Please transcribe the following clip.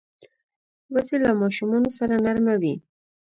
وزې له ماشومانو سره نرمه وي